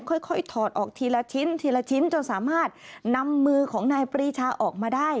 ค่อยถอดออกทีละชิ้นทีละชิ้นจนสามารถนำมือของนายปรีชาออกมาได้